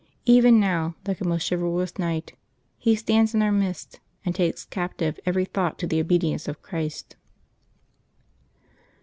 Even now, like a most chivalrous knight, he stands in our midst, and takes captive every thought to the obedience of Christ.